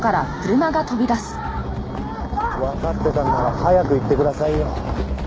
わかってたんなら早く言ってくださいよ。